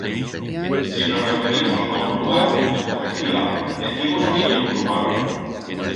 Si nos referimos a un lugar de poca entidat, decimos que ye un lugarón.